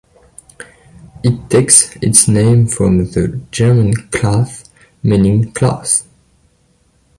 It takes its name from the German "Klasse", meaning "class".